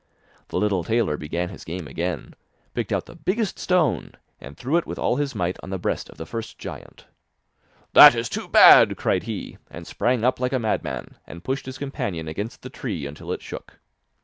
The little tailor began his game again, picked out the biggest stone, and threw it with all his might on the breast of the first giant. 'That is too bad!' cried he, and sprang up like a madman, and pushed his companion against the tree until it shook.